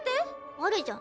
あるじゃん。